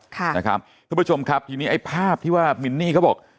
คุณผู้ชมครับทีนี้ไอ้ภาพที่ว่ามินนี่เขาบอก